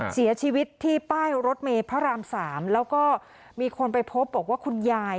เสียชีวิตที่ป้ายรถเมย์พระราม๓แล้วก็มีคนไปพบบอกว่าคุณยาย